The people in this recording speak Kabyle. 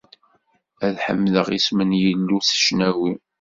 Ad ḥemdeɣ isem n Yillu s ccnawi.